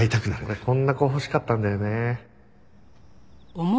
俺こんな子欲しかったんだよね。